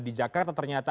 di jakarta ternyata